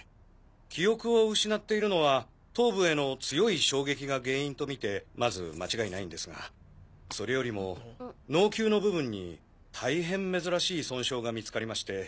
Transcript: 記憶を失っているのは頭部への強い衝撃が原因とみてまず間違いないんですがそれよりも脳弓の部分に大変珍しい損傷が見つかりまして。